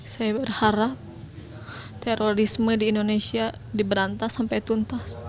saya berharap terorisme di indonesia diberantas sampai tuntas